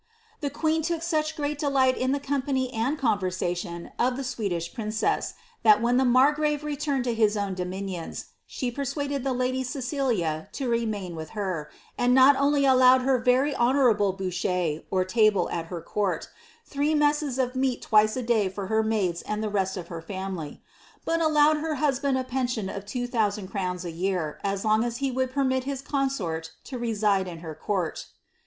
The queen look such great delight in the company and conversation of the Swedish phnress, that when the margrave returned to his own dominions, she persuaded t}ie lady Cecilia to remain with her, and not only allowed her very honourable boucke^ or table, at her court, three messes of meat tvice a day for her maids and the rest of her family,' but allowed her bnsband a pension of two thousand crowns a year as long as he would pennit his consort to reside in her court.